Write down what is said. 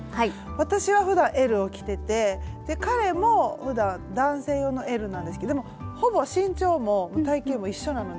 私はふだんＬを着てて彼もふだん男性用のＬなんですけどでもほぼ身長も体型も一緒なので。